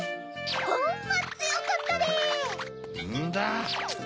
ホンマつよかったで！